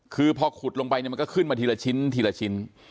คือพอขุดลงไปเนี่ยมันก็ขึ้นมาทีละชิ้นทีละชิ้น